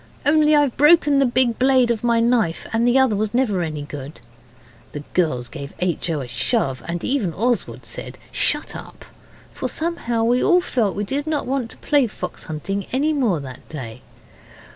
Only, I've broken the big blade of my knife, and the other never was any good.' The girls gave H. O. a shove, and even Oswald said, 'Shut up', for somehow we all felt we did not want to play fox hunting any more that day.